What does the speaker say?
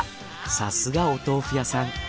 さすがお豆腐屋さん。